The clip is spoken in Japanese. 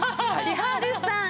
千春さん